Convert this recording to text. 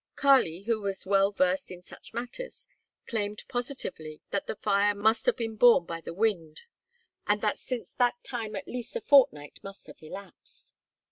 Kali, who was well versed in such matters, claimed positively that the fire must have been borne by the wind and that since that time at least a fortnight must have elapsed.